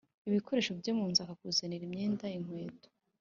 Ibikoresho byomunzu akakuzanira imyenda inkweto